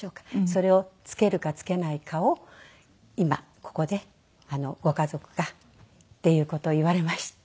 それをつけるかつけないかを今ここでご家族がっていう事を言われました。